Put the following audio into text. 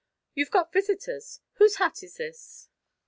You've got visitors. Whose hat is this?"